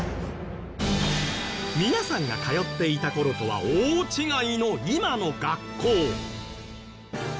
皆さんが通っていた頃とは大違いの今の学校